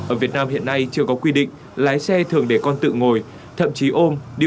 ở việt nam hiện nay chưa có quy định lái xe thường để con tự ngồi thậm chí ôm đi